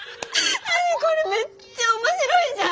何これめっちゃ面白いじゃん！